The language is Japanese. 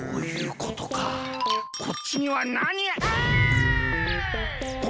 こっちにはなにがああ！